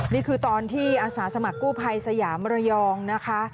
นี่คือตอนที่อาสาสมัครกู้ภัยสยามระยองนะคะ